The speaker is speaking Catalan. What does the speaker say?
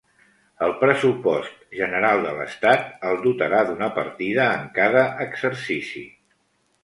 El pressupost general de l’estat el dotarà d’una partida en cada exercici.